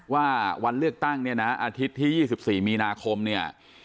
ว่าวันเลือกตั้งเนี่ยนะอาทิตย์ที่๒๔มีนาคมเนี่ย